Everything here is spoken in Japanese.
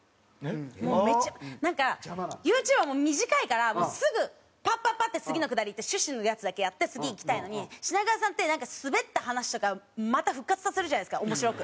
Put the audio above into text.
もうめっちゃなんかユーチューブは短いからすぐパッパッパッて次のくだりいって趣旨のやつだけやって次いきたいのに品川さんってなんかスベった話とかまた復活させるじゃないですか面白く。